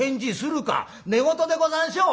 「寝言でござんしょう」。